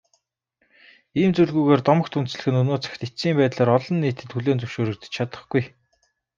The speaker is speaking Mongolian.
Ийм зүйлгүйгээр домогт үндэслэх нь өнөө цагт эцсийн байдлаар олон нийтэд хүлээн зөвшөөрөгдөж чадахгүй.